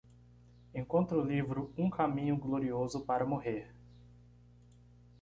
Encontre o livro Um Caminho Glorioso para Morrer